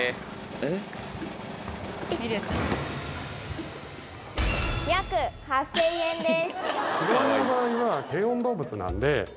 えっ？約８０００円です。